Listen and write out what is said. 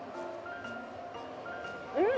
うん！